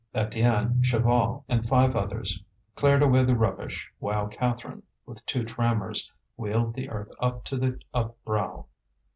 Étienne, Chaval, and five others cleared away the rubbish while Catherine, with two trammers, wheeled the earth up to the upbrow.